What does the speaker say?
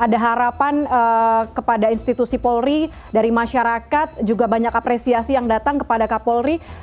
ada harapan kepada institusi polri dari masyarakat juga banyak apresiasi yang datang kepada kapolri